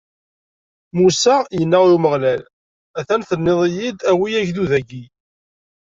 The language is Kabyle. Musa yenna i Umeɣlal: A-t-an tenniḍ-iyi-d: Awi agdud-agi!